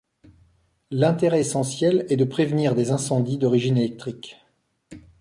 L'intérêt essentiel est de prévenir des incendies d'origine électrique.